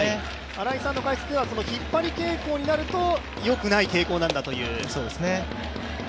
新井さんの解説では引っ張り傾向になるとよくない傾向なんだという。